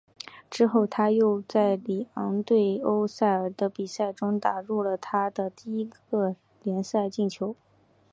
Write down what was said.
之后他又在里昂对欧塞尔的比赛中打入了他的第一个联赛进球。